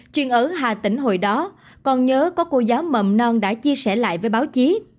truyền ở hà tĩnh hồi đó còn nhớ có cô giáo mầm non đã chia sẻ lại với báo chí